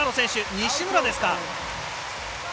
西村ですか。